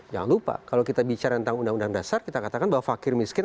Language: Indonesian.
jangan lupa kalau kita bicara tentang undang undang dasar kita katakan bahwa fakir miskin